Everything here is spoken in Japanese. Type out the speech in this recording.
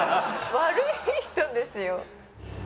悪い人ですよ。